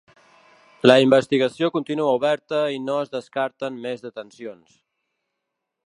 La investigació continua oberta i no es descarten més detencions.